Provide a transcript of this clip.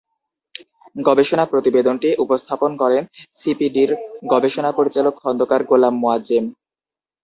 গবেষণা প্রতিবেদনটি উপস্থাপন করেন সিপিডির গবেষণা পরিচালক খন্দকার গোলাম মোয়াজ্জেম।